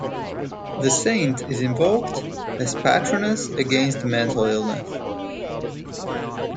The saint is invoked as patroness against mental illness.